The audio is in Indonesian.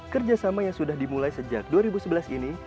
kerjasama yang sudah dimulai sejak dua ribu sebelas ini